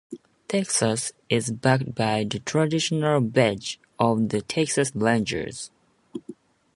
"Texas" is backed by the traditional badge of the Texas Rangers.